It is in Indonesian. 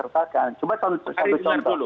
pak hari dengar dulu